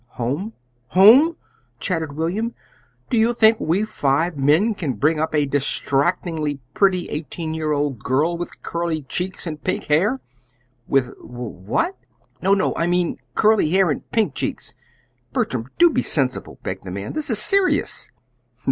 "Home home!" chattered William. "Do you think we five men can bring up a distractingly pretty eighteen year old girl with curly cheeks and pink hair?" "With wha at?" "No, no. I mean curly hair and pink cheeks. Bertram, do be sensible," begged the man. "This is serious!"